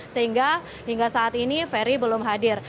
sehingga hingga saat ini ferry belum hadir